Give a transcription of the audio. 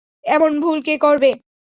এমন ভুল কে করে?